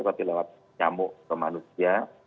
tapi lewat nyamuk ke manusia